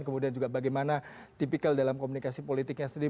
kemudian juga bagaimana tipikal dalam komunikasi politiknya sendiri